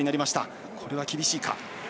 これは厳しいか。